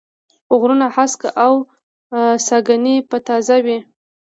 غرونه هسک و او ساګاني به تازه وې